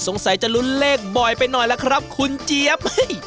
สงสัยจะลุ้นเลขบ่อยไปหน่อยล่ะครับคุณเจี๊ยบ